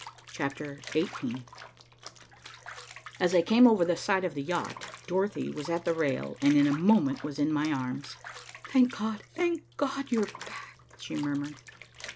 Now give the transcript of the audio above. CHAPTER XVIII As I came over the side of the yacht, Dorothy was at the rail and in a moment was in my arms. "Thank God! Thank God! you are back," she murmured.